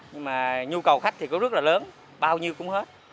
nhưng mà nhu cầu khách thì cũng rất là lớn bao nhiêu cũng hết